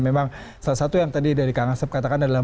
memang salah satu yang tadi dari kang asep katakan adalah